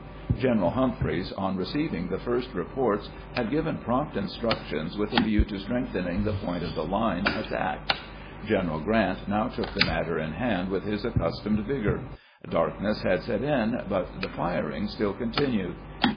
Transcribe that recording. General Hum phreys, on receiving the first reports, had given prompt instructions with a view to strengthening the point of the line attacked. General Grant now took the matter in hand with his accustomed vigor. Darkness had set in, but the firing still continued.